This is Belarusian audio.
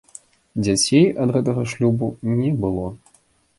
Дзяцей ад гэтага шлюбу не было.